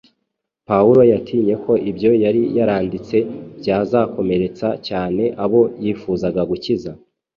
pawulo yatinye ko ibyo yari yaranditse byazakomeretsa cyane abo yifuzaga gukiza.